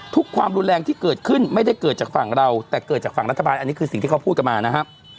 ความรุนแรงที่เกิดขึ้นไม่ได้เกิดจากฝั่งเราแต่เกิดจากฝั่งรัฐบาลอันนี้คือสิ่งที่เขาพูดกันมานะครับ